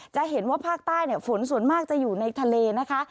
จะเห็นว่าภาคใต้ฝนส่วนมากจะอยู่ในทะเลนะคะ